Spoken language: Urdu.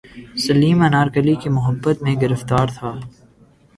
سلیم انارکلی کی محبت میں گرفتار تھا